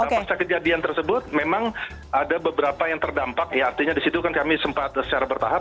pasca kejadian tersebut memang ada beberapa yang terdampak ya artinya disitu kan kami sempat secara bertahap